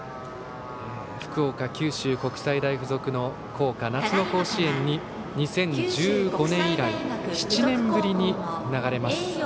福岡・九州国際大付属の校歌が、夏の甲子園に２０１５年以来７年ぶりに流れます。